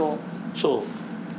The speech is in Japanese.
そう。